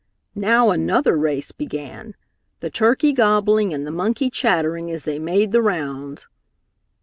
Now another race began, the turkey gobbling and the monkey chattering as they made the rounds.